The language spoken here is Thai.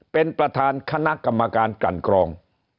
เป็นประธานคณะกรรมการกลั่นกรอง